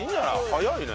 早いね。